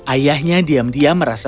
ayahnya diam diam merasa